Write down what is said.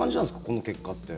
この結果って。